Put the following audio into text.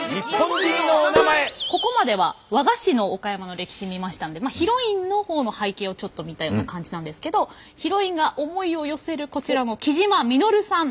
ここまでは和菓子の岡山の歴史見ましたんでヒロインの方の背景をちょっと見たような感じなんですけどヒロインが思いを寄せるこちらの雉真稔さん。